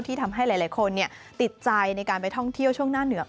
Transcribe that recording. ทำให้หลายคนติดใจในการไปท่องเที่ยวช่วงหน้าเหนือ